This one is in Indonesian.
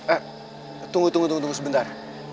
eh tunggu tunggu tunggu sebentar